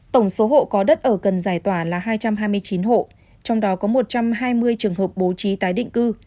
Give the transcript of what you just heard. tổng số hộ có đất ở cần giải tỏa là hai trăm hai mươi chín hộ trong đó có một trăm hai mươi trường hợp bố trí tái định cư